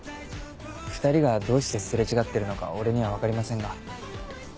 ２人がどうして擦れ違ってるのか俺には分かりませんが。